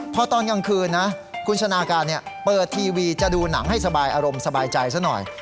พอตอนกลางคืนนะคุณชนะการเปิดทีวีจะดูหนังให้สบายอารมณ์สบายใจซะหน่อย